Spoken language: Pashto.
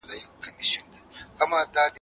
دا کار ستونزمن خو ممکن دی.